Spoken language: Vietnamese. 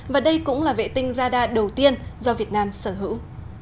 và đây cũng là vệ tinh radar đầu tiên do việt nam sở hữu